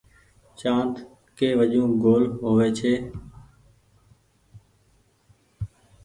چآند ڪي وجون گول هووي ڇي۔